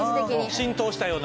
浸透したような。